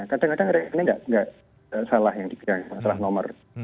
kadang kadang rekening tidak salah yang dikira salah nomor